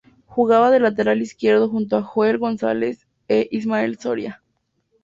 Jugaba de lateral izquierdo junto a Joel González e Ismael Soria.